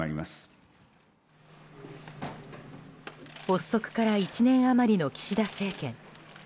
発足から１年余りの岸田政権。